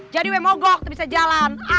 jadi mau gok bisa jalan